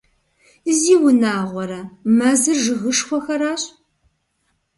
Зиунагъуэрэ, мэзыр жыгышхуэхэращ!